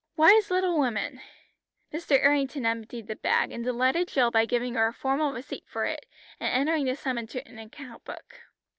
"Wise little woman!" Mr. Errington emptied the bag, and delighted Jill by giving her a formal receipt for it, and entering the sum in an account book.